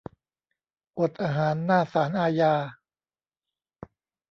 อดอาหารหน้าศาลอาญา